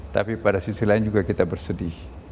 tapi pada sisi lain juga kita bersedih